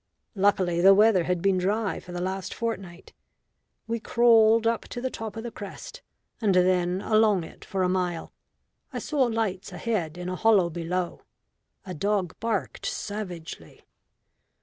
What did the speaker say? Luckily the weather had been dry for the last fortnight. We crawled up to the top of the crest and then along it for a mile. I saw lights ahead in a hollow below. A dog barked savagely.